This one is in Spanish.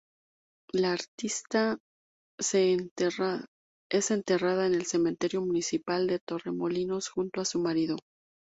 La artista es enterrada en el Cementerio Municipal de Torremolinos, junto a su marido.